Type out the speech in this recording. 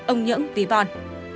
ông nhưỡng vy bon